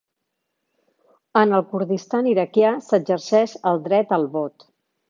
En el Kurdistan iraquià s'exerceix el dret al vot